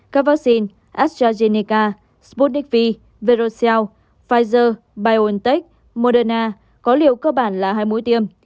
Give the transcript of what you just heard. các vắc xin astrazeneca sputnik v verocell pfizer biontech moderna có liều cơ bản là hai mũi tiêm